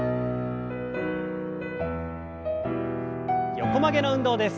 横曲げの運動です。